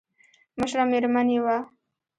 مشره مېرمن يې وه.